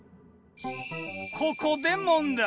ここで問題。